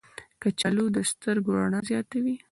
کچالو د سترګو رڼا زیاتوي.